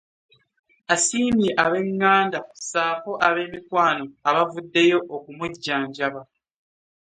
Asiimye ab'enganda ssaako ab'emikwano abavuddeyo okumujjanjaba.